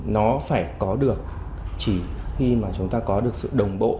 nó phải có được chỉ khi mà chúng ta có được sự đồng bộ